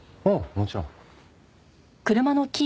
もちろん。